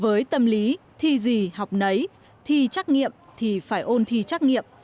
với tâm lý thi gì học nấy thi trắc nghiệm thì phải ôn thi trắc nghiệm